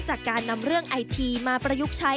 จากการนำเรื่องไอทีมาประยุกต์ใช้